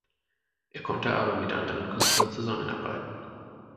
Er konnte aber mit anderen Künstlern zusammenarbeiten.